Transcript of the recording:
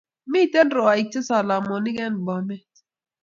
Miten rwaik che salamonik en Bomet